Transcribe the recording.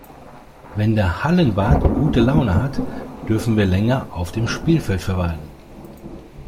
Wenn der Hallenwart gute Laune hat, dürfen wir länger auf dem Spielfeld verweilen.